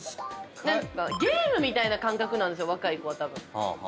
ゲームみたいな感覚なんすよ若い子はたぶん。